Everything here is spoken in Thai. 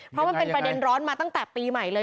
เพราะมันเป็นประเด็นร้อนมาตั้งแต่ปีใหม่เลย